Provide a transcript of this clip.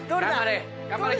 頑張れ！